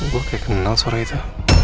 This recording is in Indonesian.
gue kayak kenal suara itu